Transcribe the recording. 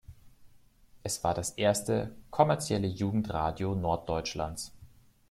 Es war das erste, kommerzielle Jugendradio Norddeutschlands.